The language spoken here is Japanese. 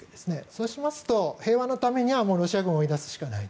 そうしますと、平和のためにはロシア軍を追い出すしかない。